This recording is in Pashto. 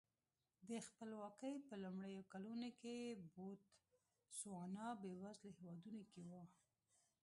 د خپلواکۍ په لومړیو کلونو کې بوتسوانا بېوزلو هېوادونو کې و.